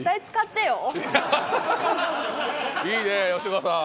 いいね吉岡さん。